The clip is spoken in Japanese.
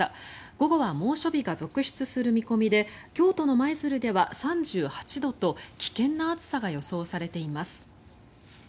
午後は猛暑日が続出する見込みで京都の舞鶴では３８度と危険な暑さが予想されています。